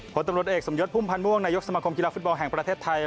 ผลตำรวจเอกสมยศพุ่มพันธ์ม่วงนายกสมคมกีฬาฟุตบอลแห่งประเทศไทย